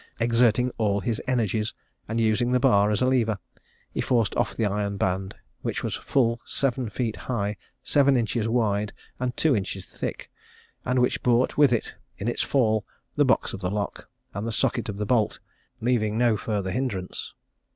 Exerting all his energies, and using the bar as a lever, he forced off the iron band, which was full seven feet high, seven inches wide, and two inches thick, and which brought with it, in its fall, the box of the lock, and the socket of the bolt, leaving no further hindrance.